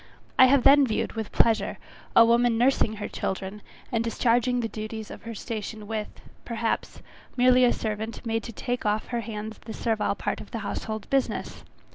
I have then viewed with pleasure a woman nursing her children, and discharging the duties of her station with, perhaps, merely a servant made to take off her hands the servile part of the household business.